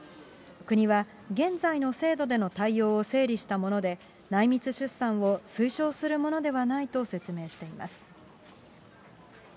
国は、現在の制度での対応を整理したもので、内密出産を推奨するものではないと説明しています。